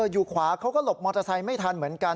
อยู่ขวาเขาก็หลบมอเตอร์ไซค์ไม่ทันเหมือนกัน